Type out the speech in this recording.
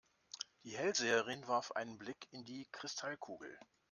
Die Hellseherin warf einen Blick in die Kristallkugel.